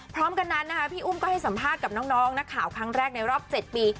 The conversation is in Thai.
พร้อมกันนั้นนะคะพี่อุ้มก็ให้สัมภาษณ์กับน้องนักข่าวครั้งแรกในรอบ๗ปี